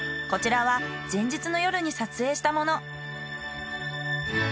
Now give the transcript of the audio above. こちらは前日の夜に撮影したもの。